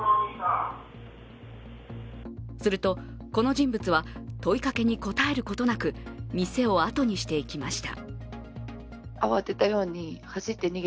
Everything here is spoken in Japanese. すると、この人物は問いかけに応えることなく、店を後にしていきました。